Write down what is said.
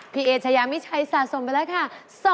เอเชยามิชัยสะสมไปแล้วค่ะ